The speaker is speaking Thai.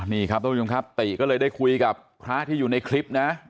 นี่ครับทุกผู้ชมครับติก็เลยได้คุยกับพระที่อยู่ในคลิปนะ